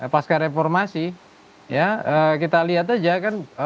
pasca reformasi ya kita lihat aja kan